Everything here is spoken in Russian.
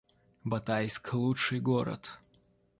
Батайск — лучший город